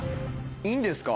いいんですか？